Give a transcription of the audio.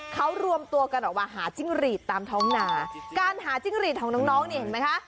เขารวมตัวกันออกมาหาจิ้งหรีดตามท้องนาการหาจิ้งหรีดของน้องน้องนี่เห็นไหมคะ